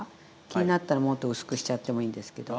気になったらもっと薄くしちゃってもいいんですけど。